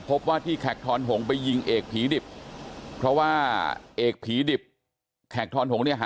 พบว่าที่แขกทอนหงไปยิงเอกผีดิบเพราะว่าเอกผีดิบแขกทอนหงเนี่ย